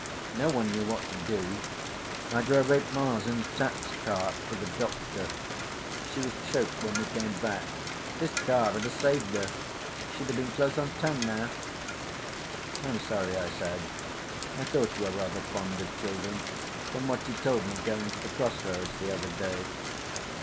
No one knew what to do. I drove eight miles in a tax cart for the doctor. She was choked when we came back. This car 'd ha' saved her. She'd have been close on ten now." "I'm sorry," I said. "I thought you were rather fond of children from what you told me going to the cross roads the other day."